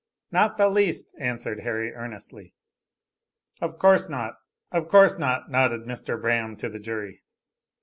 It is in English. "Not the least," answered Harry earnestly. "Of course not, of course not," nodded Mr. Braham to the jury.